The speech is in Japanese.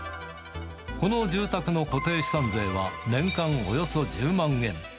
この住宅の固定資産税は年間およそ１０万円。